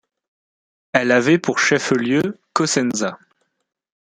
Elle avait pour chef-lieu Cosenza.